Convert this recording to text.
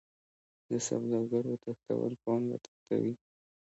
د سوداګرو تښتول پانګه تښتوي.